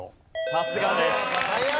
さすがです。